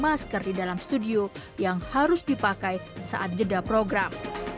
masker di dalam studio yang harus dipakai saat jeda program